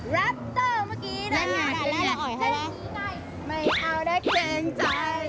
แรปเตอร์เมื่อกี้แดดให้ไม่เอาแล้วก้างใจ